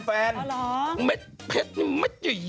อ๋อหรองเม็ดเผ็ดมัชใหญ่นี่ไง